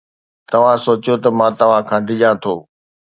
توهان سوچيو ته مان توهان کان ڊڄان ٿو؟